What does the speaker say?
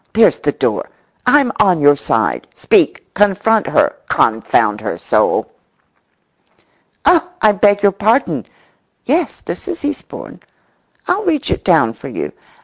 There's the door! I'm on your side. Speak! Confront her, confound her soul!"Oh, I beg your pardon! Yes, this is Eastbourne. I'll reach it down for you.